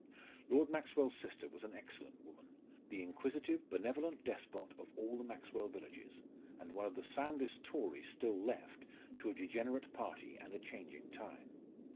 Lord Maxwell's sister was an excellent woman, the inquisitive, benevolent despot of all the Maxwell villages; and one of the soundest Tories still left to a degenerate party and a changing time.